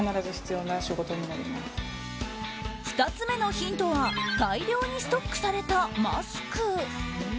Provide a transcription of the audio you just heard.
２つ目のヒントは大量にストックされたマスク。